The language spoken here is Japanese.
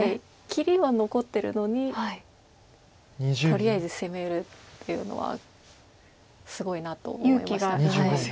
切りは残ってるのにとりあえず攻めるっていうのはすごいなと思います。